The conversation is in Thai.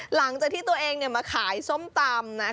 หลังจากที่ตัวเองมาขายส้มตำ